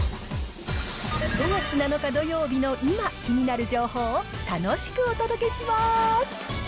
５月７日土曜日の今、気になる情報を楽しくお届けします。